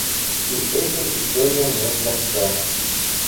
И этим историям нет конца.